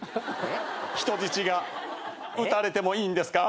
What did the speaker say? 人質が撃たれてもいいんですか？